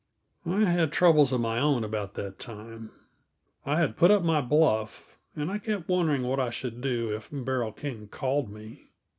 I had troubles of my own, about that time. I had put up my bluff, and I kept wondering what I should do if Beryl King called me.